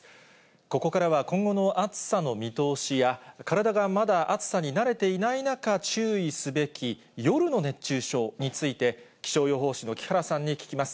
ここからは、今後の暑さの見通しや、体がまだ暑さに慣れていない中、注意すべき夜の熱中症について、気象予報士の木原さんに聞きます。